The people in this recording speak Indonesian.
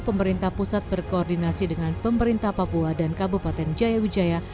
pemerintah pusat berkoordinasi dengan pemerintah papua dan kabupaten jaya wijaya